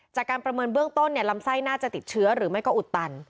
จากการประเมินเบื้องต้นลำไส้น่าจะติดเชื้อหรือไม่ก็อุดตัน